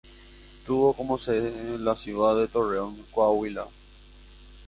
Tuvo como sede la ciudad de Torreón, Coahuila.